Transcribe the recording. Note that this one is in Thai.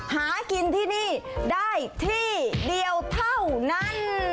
หากินที่นี่ได้ที่เดียวเท่านั้น